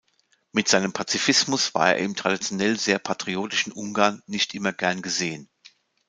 Mit seinem Pazifismus war er im traditionell sehr patriotischen Ungarn nicht immer gern gesehen.